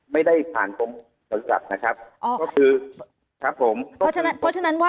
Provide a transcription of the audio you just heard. ไม่ได้ผ่านตรงจัด